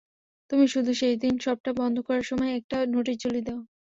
তুমি শুধু শেষ দিন শপটা বন্ধ করার সময় একটা নোটিশ ঝুলিয়ে যেও।